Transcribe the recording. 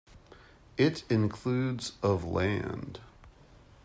It includes of land.